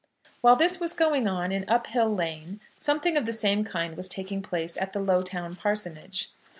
While this was going on in Uphill Lane something of the same kind was taking place at the Lowtown Parsonage.